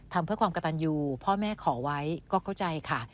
ทำเพื่อความกระตันอยู่พ่อแม่ขอไว้ก็เข้าใจค่ะ